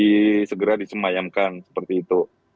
jadi segera disemayamkan seperti itu